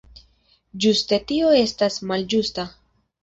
Ĝuste tio estas malĝusta.